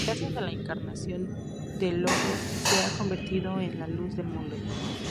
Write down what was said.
Gracias a la encarnación del Logos se ha convertido en la luz del mundo.